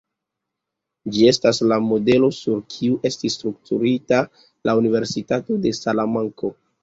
Ĝi estis la modelo sur kiu estis strukturita la Universitato de Salamanko.